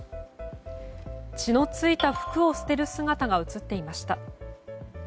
血の付いた服を捨てる姿が映っていました。